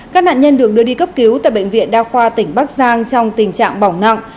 các nạn nhân được đưa đi cấp cứu tại bệnh viện đa khoa tỉnh bắc giang trong tình trạng bỏng nặng